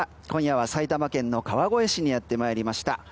今夜は埼玉県の川越市にやってきました。